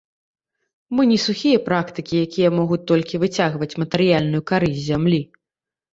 Мы не сухія практыкі, якія могуць толькі выцягваць матэрыяльную карысць з зямлі.